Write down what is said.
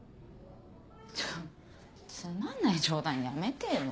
ちょつまんない冗談やめてよ。